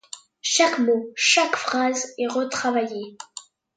Chaque mot, chaque phrase est retravaillée.